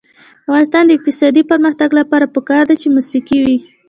د افغانستان د اقتصادي پرمختګ لپاره پکار ده چې موسیقي وي.